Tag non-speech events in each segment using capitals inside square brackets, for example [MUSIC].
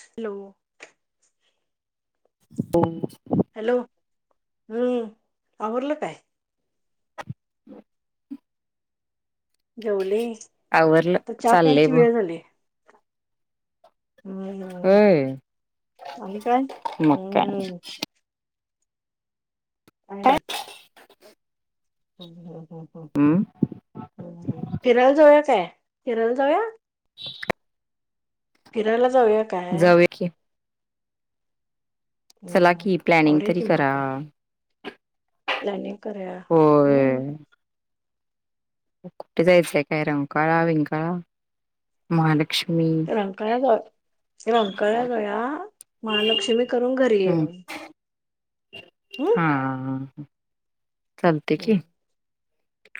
Hello. [UNINTELLIGIBLE] Hello हम्म आवरल काय? रिकामा ऑडिओ जेवले आवरलं आता चहा चाललंय प्यायची ब वेळ झाली. हम्म हम् होय आणि काय मग काय हम्मम्म. [UNINTELLIGIBLE] हम्म फिरलजवया काय फिरल जावया. फिरायला जाऊया काय? जाऊया की चला हम्म की प्लॅनिंग आवरूया तरी की मग करा. आपण प्लॅनिंग करया हम. कुठं जायचं काय? रंकाळा विंकाला, महाल रंकाळा जावं या. रंकळ जावयां महालक्ष्मी करून घरी हम्म येऊ. हम्म [INAUDIBLE] हा चालतयकी हम्म,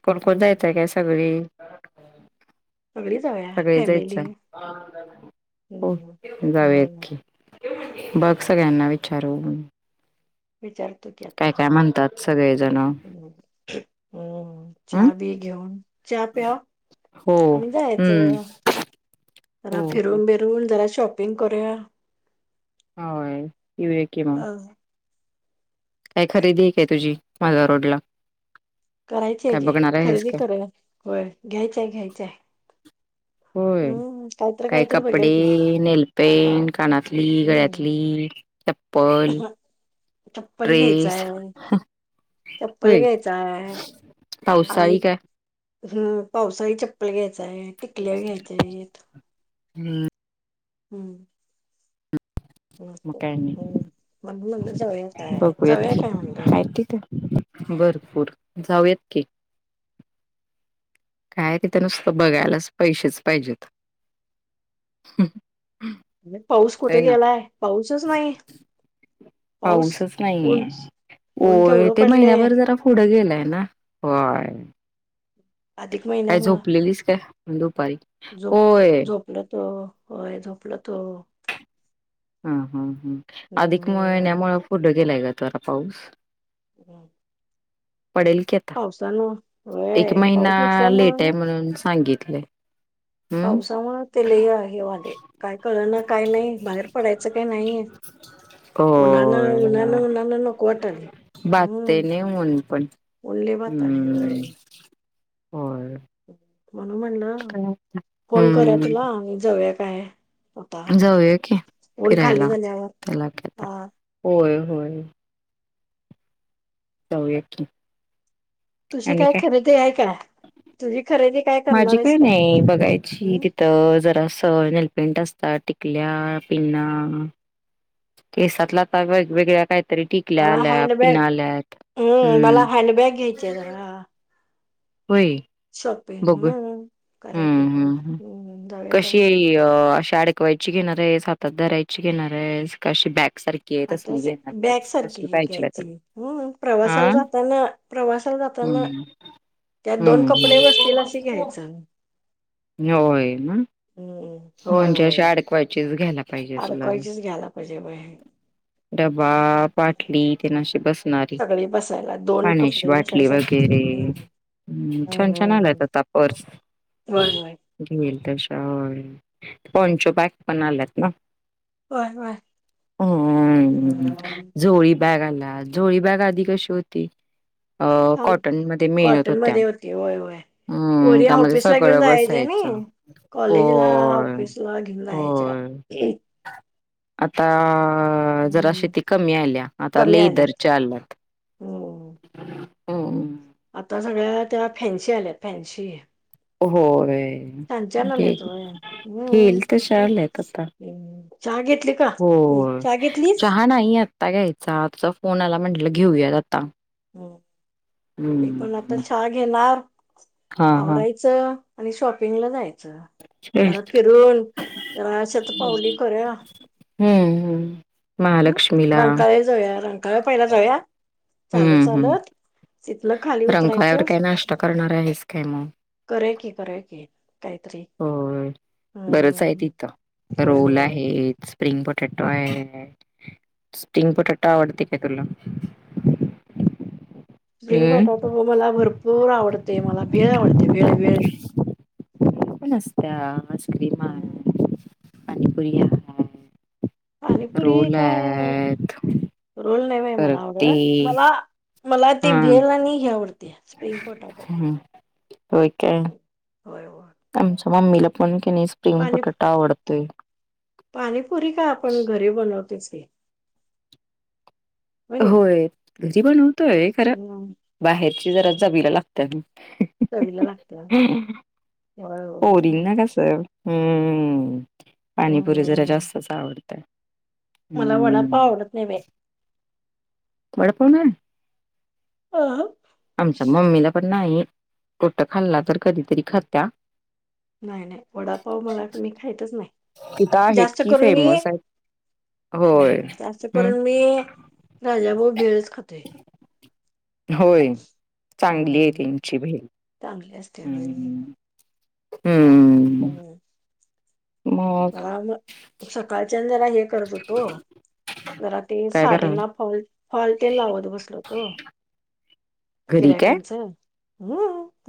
कोण -कोण हम्म. जायचाय काय सगळी? [INAUDIBLE] सगळी जाऊया सगळे जायच फॅमिली आहे [INAUDIBLE] हो हम्म जाऊया हम्म की [INAUDIBLE] बघ सळ्यांना विचारून विचार काय काय म्हणतात स हम् [INAUDIBLE] चहा -बी घेऊन चहा प्या हो आणि जायाच हम्म जरा हो हो फिरून -बिरून जरा श शॉपिंग करूया होय येउया कि मग अ काय खरेदी एक आहे तुझी माहाद्भाबारोडला? करायची आहे की खरेदी करूया होय घ्यायच्याय घ्यायच्याय होय काही काहीतर बघूया कपडे, की नेलपेंट, कानातली, हम्म गळ्यातली चप्पल, [INAUDIBLE] चप्पल ड्रेस घ्यायचाय चप्पल होय. घ्यायचाय आणि पावसाळी काय हम् पावसाळी चप्पल घ्यायचाय, टिकल्या घ्यायच्याय आहेत हम्म हम्म मग ह काय नाही. हम् [UNINTELLIGIBLE] बघूयात की म्हणलं आहे तिथं भरपूर [INAUDIBLE] जाऊयात की. काय तिथं नुसतं बघायलाच पैसेच पाहिजेत. पाऊस होय कुठे ना. गेलाय पाऊसच नाही. पाऊस पाऊसच नाहीये ऊन ऊन ओय केवढं ते पडले महिन्याभर जरा पुड... पुढं गेलाय ना? होय अधिक काय महिन्यामुळं झोपलेलीस काय दुपारी? झोप होय. झोपलं तो होय झोपलोतो. हा- हा -ह अधिक हम्म महिन्यामुळ पुढं गेलाय ग जरा पाऊस. हम्म. [INAUDIBLE] पडेल की आता एक होय पाऊस महिना लेट आहे नसल्यामुळं म्हणून सांगितलंय. हम्म पावसामुळे ते लय हे व्हालय काय कळना काय नाही बाहेर पडायचं च काय नाहीे उनान- उनान- होय उनान नको वाटायल बाधतय हम्म. नाही ऊन पण ऊन लय वाटालंय होय हम्म.. होय. म्हणून म्हणलं काय फोन करूया हम्म तुला आम्ही जाऊया काय आता जाऊया की ऊन खाली फिरायला झाल्यावर त्याला काय. हा होय -होय. जाऊया कि तुझी काय खरेदी हाय का? तुझी खरेदी काय करणार माझी आहेस काय नाय बघायची हम्म, तिथ जरास पेंट असतात टिकल्या पिना केसातला आता वेगवेगळ्या काय तरी टिकल्या मला आल्या हँडबॅग पिनाआल्यात हम्म, मला हम् हँडबॅग घ्यायची आहे जरा होय. बघू [UNINTELLIGIBLE] की हम्म करूया हम्म हम्म जाऊया कशी जाऊया अ अशि अडकवायची घेणार. ते हातात धरायची घेणार आहेस का अशी बॅक सारखी हे तसली आताच घेता का बॅग सारखी तसली पायजीला घ्यायची तर हम्म आ प्रवासाला जाताना प्रवासाला जाताना अम्म त्यात दोन कपडे बसतील असे घ्यायचं. होय ना. हम्म होय म्हणजे होय अशि होय अडकवायचीच घ्याला. अडकवायचीच घ्यायला पाहिजे बाई डबा बाटली तेन अशी बस नारी सगळी बसायला दोन पाण्याची कपडे बाटली बसायसाठी वगैरे हम्म छान छान आलायत आता पर्स. वय वय. पंचबॅग पण आल्यात ना? होय होय. बॅगाला झोळी बॅग आधी कशी होती. अ छान कॉटनमध्ये मिळत कॉटन होत्या. मध्ये होती होय होय हम्म पोरी त्यामध्ये ऑफिसला घेऊन सगळं जायचे बसायचं, नाही हो. कॉलेजला ऑफिसला घेऊन जायच्या होय. आता आ जरा हम्म शेती कमी आल्या आता कमी आल्या लेईदरच्या आल्यात. हो ह. आता सगळ्या त्या फॅन्सी आल्या फॅन्शी. होय होय केल हम्म तशा आल्यात आता. हम्म. चहा घेतली का तू होय चहा घेतलीस चहा नाही आत्ता घ्यायचा तुचा फोन आला म्हटलं घेऊयात आता. हम् मी पण आता हम्म चहा घेणार, हा हा आवरायचं. आणि शॉपिंगला जायचं. जरा तेच फिरून जरा अशत पावुली करुया. हम्म हम्म हम् महालक्ष्मीला रांकाळ्या जाऊया रांकाळ्या पहिला जाऊया. चालत चालत. तिथनं खाली रंकळ्यावर उतरायचं काय नाष्ट करणार आहेस, काय मग? करुयात की करुयात की काहीतरी होय बरंच आहे हं तिथं रोल आहेच. स्प्रिंग पटाॅटो आहेत, स्प्रिंग पटाॅटो आवडते का तुला? [INAUDIBLE] स्प्रिंग हम्म पटाॅटो मला भरपूर आवडते. मला भेळ आवडते भेळ भेळ पण असती. आईस्क्रीम हम्म आहे. पानीपुरी आहे. पाणीपुरी रोल काय? आहेत रोल नाही बाई मला परत ते आवडत मला मला ते हा भेळ आणि ही आवडते स्प्रिंग पटाॅटो. हो काय? होय आमच्या मम्मीला पण कि नाय स्प्रिंग पाणी पटाॅटो आवडतोय. पाणीपुरी काय आपण घरी बनवतोच की? होय घरी बनवतोय खर हम्म बाहेरची जरा चवीला लागल्या की. चवीला लागत्या [UNINTELLIGIBLE] हं पाणीपुरी जरा हम्म जास्तच आवडतंय. मला वडापाव आवडत नाही बाई. वडापाव नाही. अह आमच्या मम्मीला पण नाही कुठ खाल्ला तर कधीतरी खात्या नाही नाही वडापाव मला मी खायतच तिथं नाही आहेत जास्त की करून मी ये फेमस आहेत होय हं असं करून हम्म मी राजा भाऊ भेळच खातोय. होय चांगली आहे त्यांची भेळ. ते होय. हं हं मग मला वाटल सकाळच्या जरा हे करत होतो जरा ते काय करा साडीना फाॅल फाॅलतेन लावत बसलो होतो घरी काय गिरायकांचा.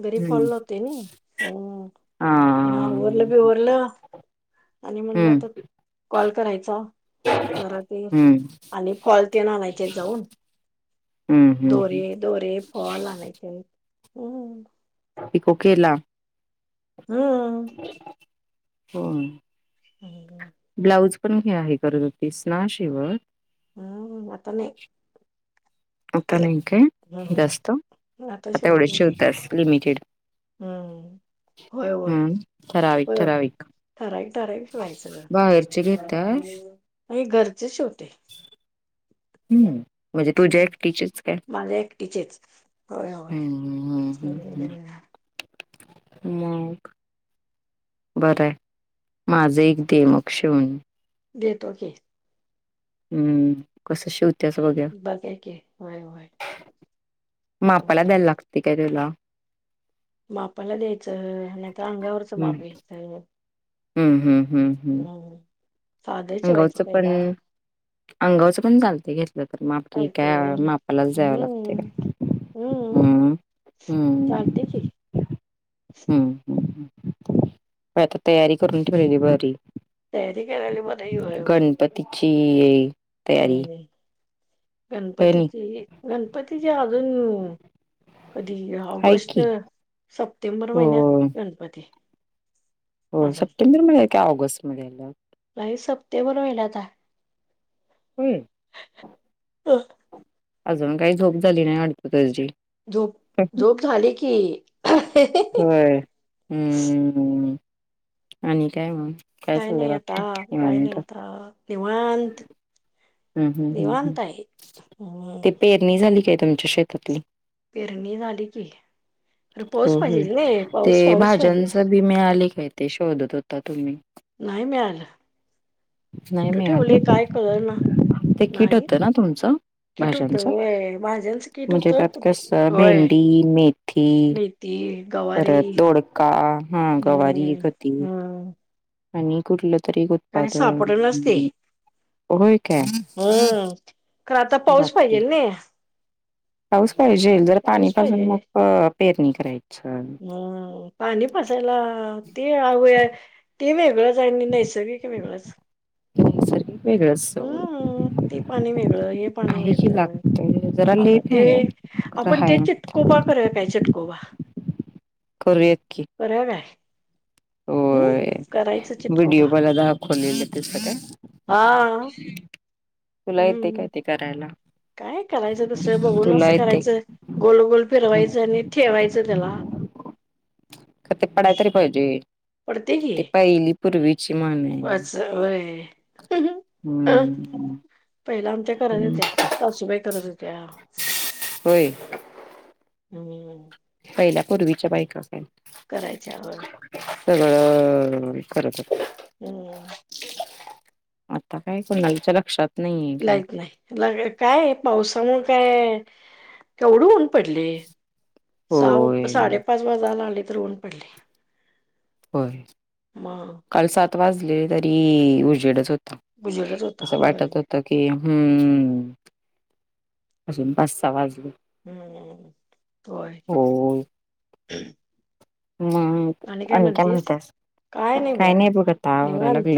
घरी हम्म फाॅल लावते होय? हं... हा मग आवरलं बीवरल. आणि म्हणलं हम्म तर कॉल करायचा. घरातली हम्म आणि फाॅल ते आणायचेत जाऊन. हम्म हम्म दोरे दोरे, फाॅल आणायचे आहेत. हं. पिको केेला. हं. दोन. हम्म हम्म. पण हे आहे. कलरला शेवाळ हं आता नाही. आता नाही काय? हम्म जास्त. आता शिवत एवढे नाही शिवतेस लिमिटेड. हम्म. होय होय हम्म. ठराविक होय ठराविक. ठराविक ठराविक शिवायच बाहेरचे घेत्यास गं आणि घरचे शिव हम्म. म्हणजे तुझ्या हम्म. एकटीचे का? माझ्या एकटीचेच होय होय हम्म हम्म हम्म. [INAUDIBLE] मग? बर आहे. माझं एक दे मग शिवून? देतो की. हम्म. कसं शिव बगा की, होय होय. हम्म. मापाला द्यायला लागते काय त्याला? मापाला द्यायचं आणि तर अंगावरच हम्म माप घ्यायचं. हम्म हम्म हम्म हम्म. साधं शिवायचं अंगावचं पण पहिला अंगाचं पण चालत घेतलं माप चालते काय होय मापालाच द्याव लागते. हम्म हम्म. चालते की हम्म. हम्म. पण आता तयारी करून ठेवलेली बरी. तयारी करायला मदत होय होय. की ये. हम्म. होय नी गणपतीची गणपतीची अजून कधी हाय ऑगस्ट, की सप्टेंबर महिन्यात गणपती. हो. अजून सप्टेंबर मध्ये का ऑगस्ट मध्ये आल? नाही सप्टेंबर महिन्यात आहे. हम्म. अ अजून काही झोप झाली नाही वाटतं तुझी? झोप झोप झाली की. ही ही. होय. हम्म आणि काय मग? काय चाललंय नाही आता बाकी काय नाही निवांत. आता निवांत हम्म हम्म हम्म. निवांत आहे हम्म ते पेरणी झाली तुमच्या शेतातली? पेरणी झाली की. अरे हो पाऊस हो पाहिजे नाही ते पाऊस पाऊस पाहिजे भाज्यांच बी मिळाले काय ते शोधत होता तुम्ही? नाही मिळालं नाही कुठे मिळाले ठेवले काय कळना. ते तिकीट होता ना तुमच? होत भाज्यांच वय भाज्यांचं किट म्हणजे होत त्यात कुठे काय होय भेंडी, मेथी मेथी गवारी परत दोडका, गवारी, हम्म गती हम्म आणि कुठला तरी काय उत्पादन सापडनाच ते होय का हम्म खरं आता पाऊस बापरे! पाहिजेल नाही पाऊस पाहिजे जर पाणी पाऊस पाहिजे पाझरून मग अ पेरणी करायचा. हा ते अवया ते वेगळंच आणि नैसर्गिक वेगळंच नैसर्गिक वेगळंच सोड हम्म ते पाणी वेगळं हे पाणी आहे की वेगळं लागतंय जरा आता लेट ते आहे खरं आपण हाय ते चटकोबा करायला पाहिजे चटकोबा करूयात की. हम् होय करायचं चिटकोबा व्हिडिओ मला दाखवलेला त्याचा काय? हा. तुला येते हम्म काय ते करायला? काय करायचं तसं बघून तुला असं येते करायचं गोल गोल का फिरवायचं आणि ठेवायचं त्याला काय ते पडाय तरी पाहिजे पडते की ते पहिली क्षिमा नाही वाच वय हम्म. पहिला आमच्या करत हम्म होत्या सासूबाई करत होत्या. होय. हम्म. पहिल्या पूर्वीच्या बायका होत्या. करायच्याव सगळं करतात हम्म. आता काय सोनालीच्या लक्षात? नाहीये काय लाइट नाही ह्याला काय काय पावसामुळे काय कवडून पडले सा होय साडेपाच वाजायला आले तर ऊन पडले. होय मग काल सात वाजले तरी उजेडच हो उजेडच होता असं होय वाटत होत की हम्म, अजून पाच-सहा वाजले. हम्म व्हय हो आणि काय म्हणतीस काय नाही ब आता निवांत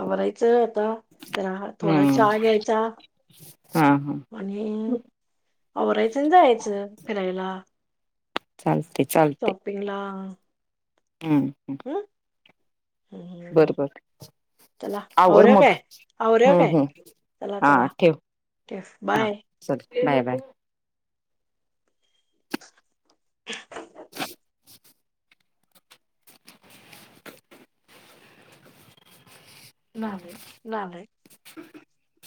आवरायचं आता रहा तर थोडा हम्म चहा घ्यायचा हा हा आणि आवरायचा आणि जायचा फिरायला चालते चालते सोपिंगला हम्म हम्म. हम्म बरोबर चला आवराय काय आवराय काय हम्म हम्म हा चला-चला ठेव टेफ हा बाय. चल बाय बाय. रीकाम आहे [UNINTELLIGIBLE] ना होय [UNINTELLIGIBLE] अ